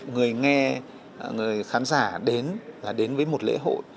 người nghe người khán giả đến là đến với một lễ hội